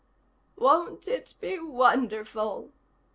"Won't it be wonderful?"